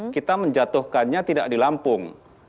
kita menjatuhkannya tidak di lampung